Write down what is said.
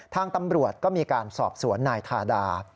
ทางตำรวจก็มีการสอบสวนนายทาดา